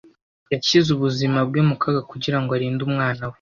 Yashyize ubuzima bwe mu kaga kugira ngo arinde umwana we.